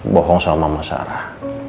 bokong sama mama sarah